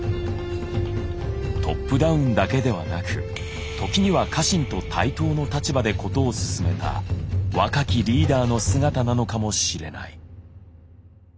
トップダウンだけではなく時には家臣と対等の立場で事を進めた若きリーダーの姿なのかもしれない。